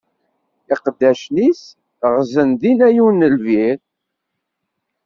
Iqeddacen-is ɣzen dinna yiwen n lbir.